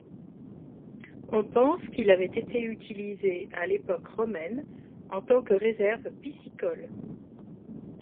On pense qu’il avait été utilisé à l’époque romaine en tant que réserve piscicole.